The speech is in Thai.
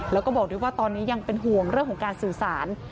แล้วก็บอกด้วยว่าตอนนี้ยังเป็นห่วงเรื่องของการสื่อสาร